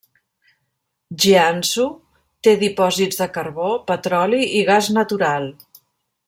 Jiangsu té dipòsits de carbó, petroli i gas natural.